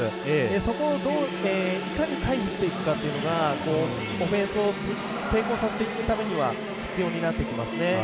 そこをいかに回避していくかというのがオフェンスを成功させていくためには必要になっていきますね。